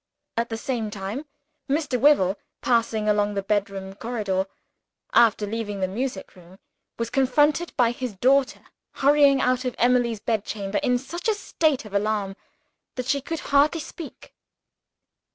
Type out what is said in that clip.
At the same time Mr. Wyvil, passing along the bedroom corridor after leaving the music room, was confronted by his daughter, hurrying out of Emily's bedchamber in such a state of alarm that she could hardly speak.